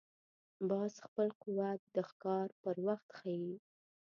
باز خپل قوت د ښکار پر وخت ښيي